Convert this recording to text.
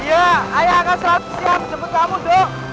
iya ayah akan seratus jam jemput kamu dok